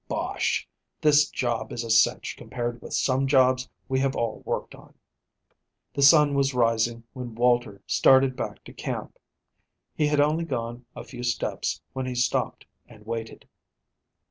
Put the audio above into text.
Bosh! This job is a cinch compared with some jobs we have all worked on." The sun was rising when Walter started back to camp. He had only gone a few steps when he stopped and waited.